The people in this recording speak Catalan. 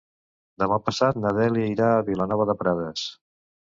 Demà passat na Dèlia irà a Vilanova de Prades.